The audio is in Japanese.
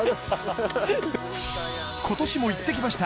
今年も行ってきました